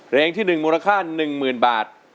เพลงที่หนึ่งมูลค่าหนึ่งหมื่นบาท